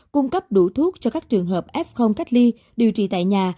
cung cấp đủ thuốc cho các trường hợp f cách ly điều trị tại nhà